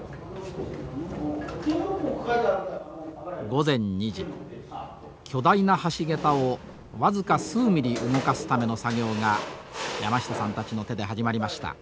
午前２時巨大な橋桁を僅か数ミリ動かすための作業が山下さんたちの手で始まりました。